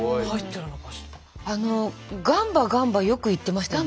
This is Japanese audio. あの「ガンバガンバ」よく言ってましたよね。